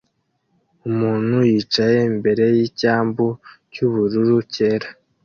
Umuntu yicaye imbere yicyambu cyubururu cyera